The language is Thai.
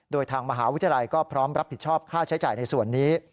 โดยทางมหาวิทยาลัยก็พร้อมรับผิดชอบค่าใช้จ่ายในส่วนนี้